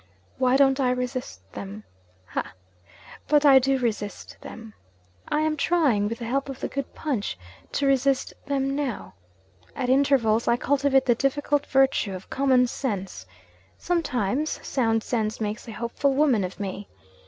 Why don't I resist them? Ha! but I do resist them. I am trying (with the help of the good punch) to resist them now. At intervals I cultivate the difficult virtue of common sense. Sometimes, sound sense makes a hopeful woman of me.